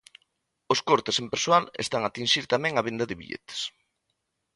Os cortes en persoal están a atinxir tamén a venda de billetes.